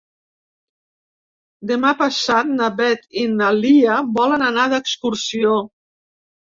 Demà passat na Beth i na Lia volen anar d'excursió.